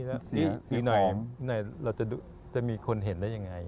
กระดาษสีหน่อยเราจะมีคนเห็นได้ยังไง